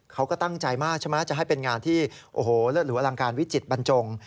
เขาก็ตั้งใจมากใช่ไหมจะให้เป็นงานที่โอ้โหเลิศหรืออลังการวิจิตบรรจง